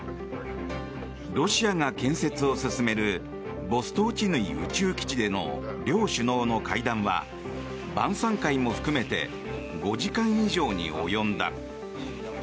ロシアが建設を進めるボストーチヌイ宇宙基地での両首脳の会談は晩さん会も含めて５時間以上に及んだ。